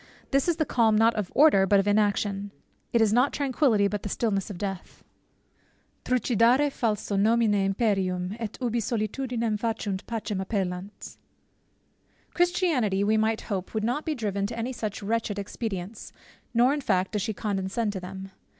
This is the calm, not of order, but of inaction; it is not tranquillity, but the stillness of death; Trucidare falso nomine imperium, & ubi solitudinem faciunt, pacem appellant Christianity, we might hope, would not be driven to any such wretched expedients; nor in fact does she condescend to them.